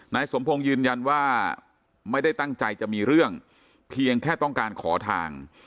นายสมพงศ์ยืนยันว่าไม่ได้ตั้งใจจะมีเรื่องเพียงแค่ต้องการขอทาง